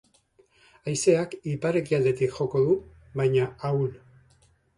Haizeak ipar-ekialdetik joko du, baina ahul.